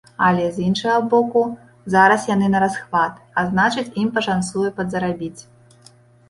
Але з іншага боку, зараз яны нарасхват, а значыць, ім пашанцуе падзарабіць.